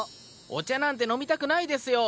お茶なんて飲みたくないですよ！